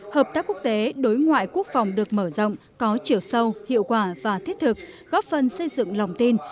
hợp tác quốc tế đối ngoại quốc phòng được mở rộng có chiều sâu hiệu quả và thiết thực góp phần xây dựng lòng tin